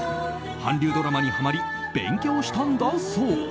韓流ドラマにハマり勉強したんだそう。